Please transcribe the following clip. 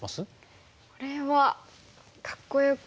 これはかっこよく。